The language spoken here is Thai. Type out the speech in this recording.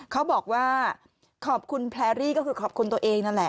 เขาบอกว่าขอบคุณแพรรี่ก็คือขอบคุณตัวเองนั่นแหละ